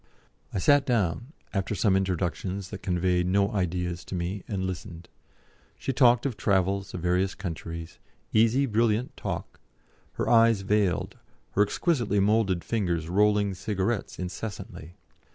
I sat down, after some introductions that conveyed no ideas to me, and listened. She talked of travels, of various countries, easy brilliant talk, her eyes veiled, her exquisitely moulded fingers rolling cigarettes incessantly.